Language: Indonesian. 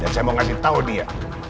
dan saya mau ngasih tau dia